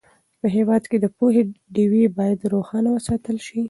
په هېواد کې د پوهې ډېوې باید روښانه وساتل سي.